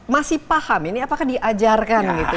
masih paham ini apakah diajarkan gitu